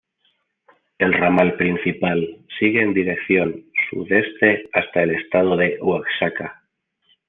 El ramal principal sigue en dirección sudeste hasta el estado de Oaxaca.